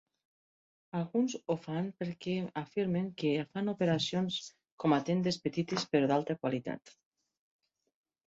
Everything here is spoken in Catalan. Alguns ho fan perquè afirmen que fan operacions com a tendes petites però d'alta qualitat.